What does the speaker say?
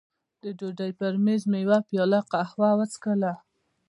د ډوډۍ پر مېز مې یوه پیاله قهوه وڅښله.